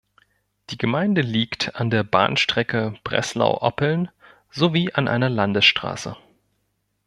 Die Gemeinde liegt an der Bahnstrecke Breslau–Oppeln sowie an einer Landesstraße.